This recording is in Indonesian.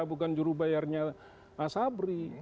bukan jurubayarnya mas sabri